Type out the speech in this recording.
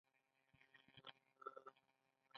آیا په اختر کې د مشرانو لیدل دود نه دی؟